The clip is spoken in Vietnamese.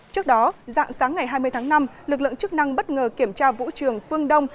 trước đó dạng sáng ngày hai mươi tháng năm lực lượng chức năng bất ngờ kiểm tra vũ trường phương đông